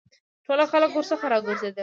ټول خلک ورڅخه را وګرځېدل.